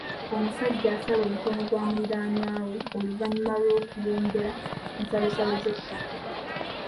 Omusajja asala omukono gwa muliraanwa we oluvannyuma lw'okuyombera ensalosalo z'ettaka.